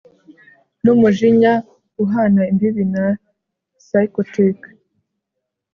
n'umujinya uhana imbibi na psychotic